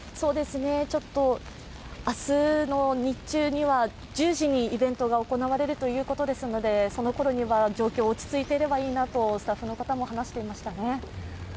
明日の日中には、１０時にイベントが行われるということですのでそのころには状況、落ち着いていればいいなとスタッフの方も話していましたね。